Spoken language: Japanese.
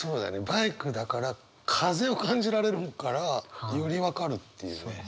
バイクだから風を感じられるからより分かるっていうね。